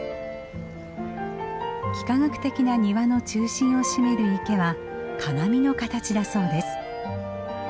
幾何学的な庭の中心を占める池は鏡の形だそうです。